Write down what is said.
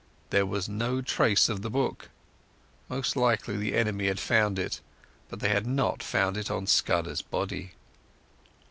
There was no trace of the book. Most likely the enemy had found it, but they had not found it on Scudder's body.